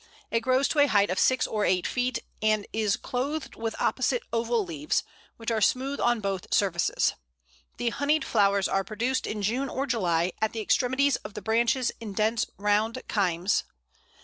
It grows to a height of six or eight feet, and is clothed with opposite oval leaves, which are smooth on both surfaces. The honeyed flowers are produced in June or July at the extremities of the branches in dense round cymes.